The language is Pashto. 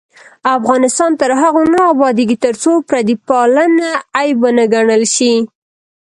افغانستان تر هغو نه ابادیږي، ترڅو پردی پالنه عیب ونه ګڼل شي.